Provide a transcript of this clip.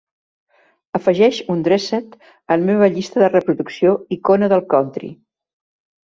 Afegeix "Undressed" a la meva llista de reproducció "Icona del country".